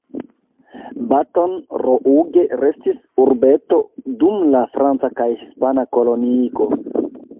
Baton Rouge restis urbeto dum la franca kaj hispana koloniigo.